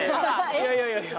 いやいやいやいや。